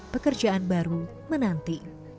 pekerjaan baru menanti